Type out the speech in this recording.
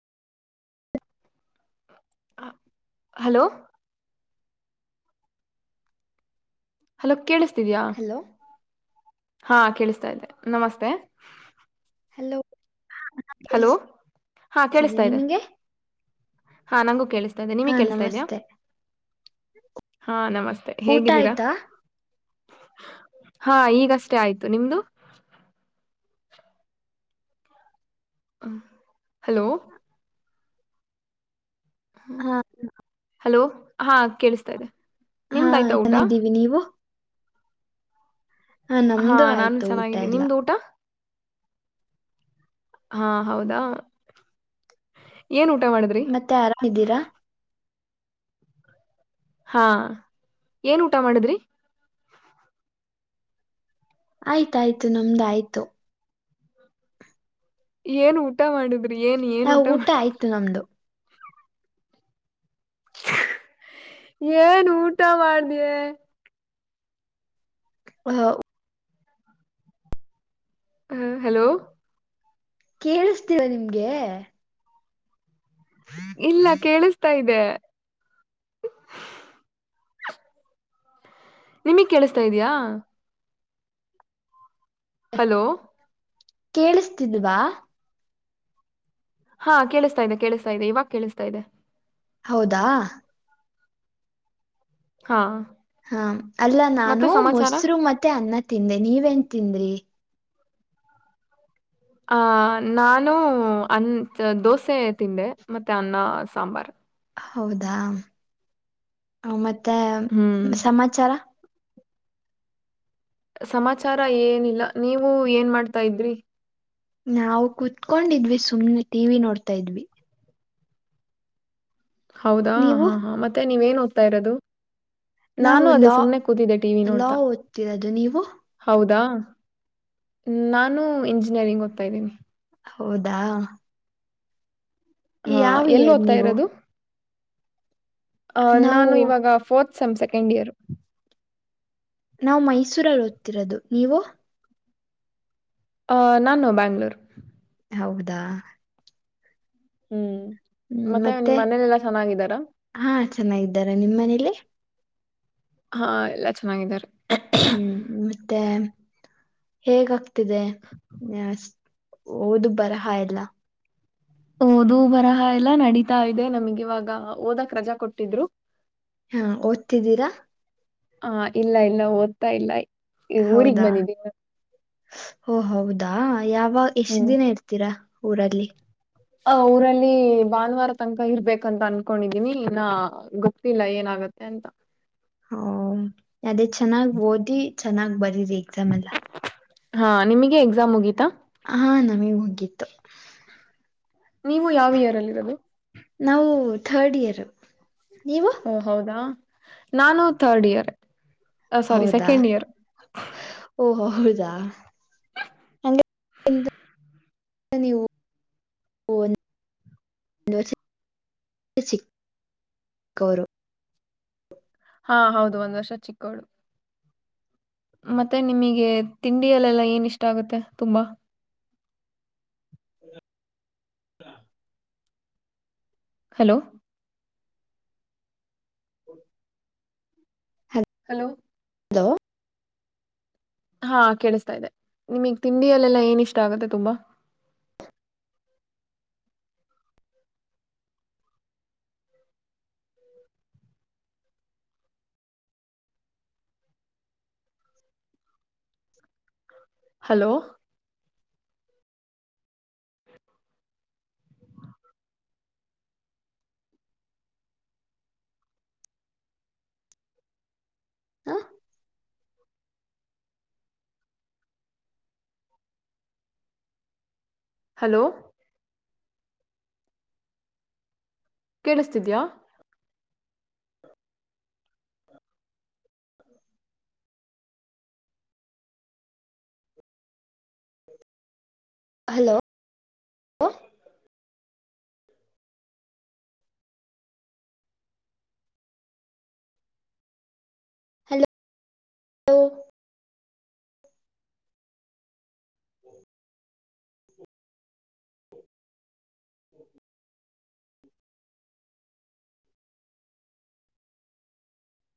hello hello ಕೇಳಿಸ್ತಿದ್ಯಾ hello ಹಾ ಕೇಳಿಸ್ತಾ ಇದ್ದತೆ ನಮಸ್ತೆ ಹಲೋ ಹಲೋ ಕೇಳಿಸ್ತಿದೆ ಹಾ ಕೇಳಿಸ್ತಾ ಇದೆ ನಿಮಗೆ ಹಾ ನಂಗೂ ಕೇಳಿಸ್ತಾ ಇದ್ದೆ ಹಾ ನಿಮಗೆ ಕೇಳಿಸತಾ ಇದಯ ನಮಸ್ತೆ ಹಾ ನಮಸ್ತೆ ಊಟ ಹೇಗಿದ್ದೀರಾ ಆಯ್ತಾ ಹಾ ಈಗಷ್ಟೇ ಆಯ್ತು ನಿಮ್ದು ಹ್ಮ ಹಲೋ ಹಾ ಹಲೋ ಹಾ ಕೇಳಿಸ್ತಾ ಇದೆ ಹಾ ನಿಮ್ದಾಯ್ತಾ ಊಟ ಚೆನ್ನಿದ್ದೀವಿ ನೀವು ಹಾ ನಮ್ದು ನಾನು ಆಯ್ತು ಊಟ ಚೆನ್ನಾಗಿದ್ದೀನಿ ಎಲ್ಲಾ ನಿಮ್ದು ಊಟ ಹಾ ಹೌದಾ ಏನ್ ಊಟ ಮಾಡಿದ್ರಿ ಮತ್ತೆ ಆರಾಮ ಇದ್ದೀರಾ ಹಾ ಏನ್ ಊಟ ಮಾಡಿದ್ರಿ ಆಯ್ತಾಯ್ತು ನಮ್ದ ಆಯ್ತು ಏನ್ ಊಟ ಮಾಡುದ್ರಿ ಏನ್ ಏನ್ ಆ ಊಟ ಮಾಡುದ್ರಿ ಆಯ್ತು ನಮ್ದು ಏನ್ ಊಟ ಮಾಡ್ದಯ ಹಾ ಹ ಹಲೋ ಕೇಳಿಸ್ತೀರ ನಿಮ್ಗೆ ಇಲ್ಲ ಕೇಳಿಸ್ತಾ ಇದೆ ನಿಮಗ್ ಕೇಳಿಸತಾ ಇದಯಾ ಹಲೋ ಕೇಳಿಸತಿದ್ವಾ ಹಾ ಕೇಳಿಸ್ತಾ ಇದೆ ಕೇಳಿಸ್ತಾ ಇದೆ ಇವಾಗ ಕೇಳಿಸ್ತಾ ಇದೆ ಹೌದಾ ಹಾ ಹಾ ಅಲ್ಲ ನಾನು ಮತ್ತೆ ಸಮಾಚಾರ ಮೊಸರು ಮತ್ತೆ ಅನ್ನ ತಿಂದೆ ನೀವೇನ್ ತಿಂದ್ರಿ ಆ ನಾನು ಅನ್ ದೋಸೆ ತಿಂದೇ ಮತ್ತೆ ಅನ್ನ ಸಾಂಬಾರ್ ಹೌದಾ ಮತ್ತೆ ಹ್ಮ್ ಸಮಾಚಾರ ಸಮಾಚಾರ ಏನಿಲ್ಲ ನೀವು ಏನ್ ಮಾಡ್ತಾ ಇದ್ರಿ ನಾವು ಕುೂತ್ಕೊಂಡಿದ್ವಿ ಸುಮ್ನೆ ಟಿವ ವಿ ನೋಡ್ತಾ ಇದ್ವಿ ಹೌದಾ ಹಾ ನೀವು ಹಾ ಮತ್ತೆ ನೀವೇನ್ ಓದ್ತಾ ಇರೋದು ನಾನು ನಾವು ಅದೇ ಲಾ ಸುಮ್ನೆ ಕೂತಿದ್ದೆ ಟಿ ವಿ ಲಾ ನೋಡ್ತಾ ಓದ್ತಿರೋದು ನೀವು ಹೌದು ಾ ನಾನು ಇಂಜಿನಿಯರಿಂಗ್ ಓದ್ತಾ ಇದ್ದೀನಿ ಹೌದಾ ಹಾ ಯಾವ ಎಲ್ಲಿ ಇಯರ್ ಓದ್ತಾ ನೀವು ಇರೋದು ಆ ನಾವು ನಾನು ಇವಾಗ ಫೋರ್ತ್ ಸಮ್ ಸೆಕೆಂಡ್ ಇಯರ್ ನಾವು ಮೈಸೂರಲ್ಲಿ ಓದ್ತಿರೋದು ನೀವು ಆ ನಾನು ಬ್ಯಾಂಗ್ಳೂರು ಹೌದಾ ಹ್ಮ್ ಹ್ಮ್ ಮತ್ತೆ ನಿಮ್ ಮನೇಲೆಲ್ಲ ಚೆನ್ನಾಗಿದ್ದಾರಾ ಹಾ ಚೆನ್ನಾಗಿದ್ದಾರೆ ನಿಮ್ಮ್ ಮನೇಲಿ ಹಾ ಎಲ್ಲಾ ಚೆನ್ನಾಗಿದ್ದಾರೆ ಹೇಗ ಆಗ್ತಿದೆ ಓದು ಬರಹ ಎಲ್ಲ ಓದು ಬರಹ ಎಲ್ಲಾ ನಡೀತಾ ಇದೆ ನಮ್ಗೆ ಇವಾಗ ಓದಕ್ ರಜಾ ಕೊಟ್ಟಿದ್ರು ಹಾ ಓದ್ತಿದ್ದೀರಾ ಹಾ ಇಲ್ಲ ಇಲ್ಲ ಓದ್ತಾ ಇಲ್ಲ ಊರಿಗ್ ಹೌದಾ ಬಂದಿದ್ದೀನಿ ಓ ಹೌದು ಹದಾ ಯಾವ ಎಷ್ಟ ಹ್ಮ್ ದಿನ ಇರ್ತೀರಾ ಊರಲ್ಲಿ ಆ ಊರಲ್ಲಿ ಭಾನುವಾರ ತನಕ ಇರ್ಬೇಕಂತ ಅನ್ಕೊಂಡಿದೀನಿ ನಾ ಗೊತ್ತಿಲ್ಲ ಏನ ಆಗತ್ತೆ ಅಂತ ಹ ಅದೇ ಚೆನ್ನಾಗ್ ಓದಿ ಚೆನ್ನಾಗ್ ಬರೀರಿ ಎಕ್ಸಾಮ್ ಎಲ್ಲ ಹಾ ನಿಮಗೆ ಎಕ್ಸಾಮ್ ಮುಗೀಿತಾ ಹಾ ನಮಗ್ ಹೋಗಿತ್ತು [unintelligible] ನೀವು ಯಾವ ಇಯೆರ್ ಅಲ್ಲಿ ಇರೋದು ನಾವು ಥರ್ಡ್ ಇಯರ್ ನೀವು ಓ ಹೌದಾ ನಾನು ಥರ್ಡ್ ಇಯರ್ ಅ ಸೋರಿ ಹೌದಾ ಸೆಕೆಂಡ್ ಇಯರ್ [unintelligible] ಓ ಹೌದಾ ಹಂಗೆ ನೀವು [unintelligible] ಗೌರವ [unintelligible] ಹಾ ಹೌದು ಒಂದ್ ವರ್ಷ ಚಿಕ್ಕೋಡು [unintelligible] ಮತ್ತೆ ನಿಮಗೆ ತಿಂಡಿಯಲ್ಲೆಲ್ಲ ಏನ ಇಷ್ಟ ಆಗುತ್ತೆ ತುಂಬಾ ಹ ಹ ಹಲೋ ಹಲೋ ಹಲೋ ಹಾ ಕೆಡಿಸ್ತಾ ಇದೆ ನಿಮಗ್ ತಿಂಡಿಯಲ್ಲೆಲ್ಲಾ ಏನ ಇಷ್ಟ ಆಗತ್ತೆ ತುಂಬಾ [inaudible] ಹಲೋ ಹಾ ಹಲೋ ಕೇಳಿಸ್ತಿದ್ಯಾ ಹಲೋ ಹಲೋ ಹಲೋ [unintelligible] [inaudible]